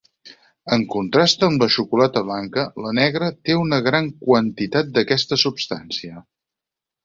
En contrast amb la xocolata blanca, la negra té una gran quantitat d'aquesta substància.